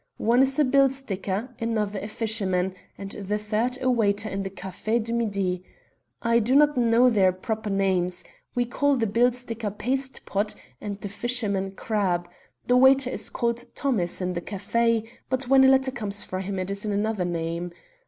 One is a bill sticker, another a fisherman, and the third a waiter in the Café du Midi. I do not know their proper names. We call the bill sticker 'Paste pot,' and the fisherman 'Crab.' The waiter is called 'Thomas' in the café, but when a letter comes for him it is in another name.